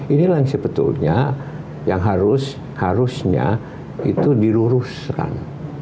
inilah yang sebetulnya yang harusnya itu diluruskan